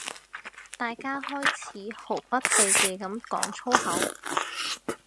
大家開始毫不忌諱噉講粗口